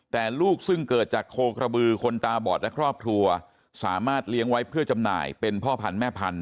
แต่ลูกซึ่งเกิดจากโคกระบือคนตาบอดและครอบครัวสามารถเลี้ยงไว้เพื่อจำหน่ายเป็นพ่อพันธุแม่พันธ